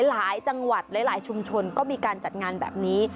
หลายจังหวัดหลายชุมชนก็มีการจัดงานแบบนี้